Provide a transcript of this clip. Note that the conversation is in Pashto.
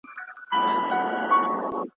وخت د هيچا انتظار نه کوي